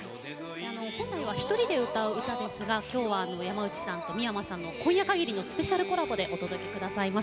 本来は１人で歌う歌ですが今日は山内さんと三山さんの今夜かぎりのスペシャルコラボでお届け下さいます。